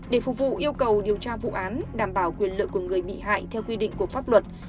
để phục vụ yêu cầu điều tra vụ án đảm bảo quyền lợi của người bị hại theo quy định của pháp luật